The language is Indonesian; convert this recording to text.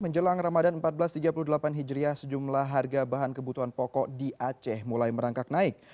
menjelang ramadan seribu empat ratus tiga puluh delapan hijriah sejumlah harga bahan kebutuhan pokok di aceh mulai merangkak naik